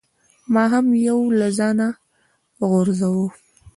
ما هم یو یو له ځانه غورځاوه.